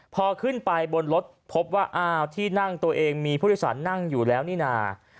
พอขึ้นไปบนรถพบว่าที่นั่งตัวเองมีพฤษฐานนั่งอยู่แล้วนี่น่า